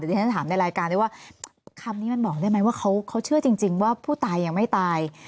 เดี๋ยวฉันถามในรายการได้ว่าคำนี้มันบอกได้ไหมว่าเขาเชื่อจริงว่าผู้ตายยังไม่ตาย